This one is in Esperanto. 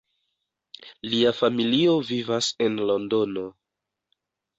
Lia familio vivas en Londono.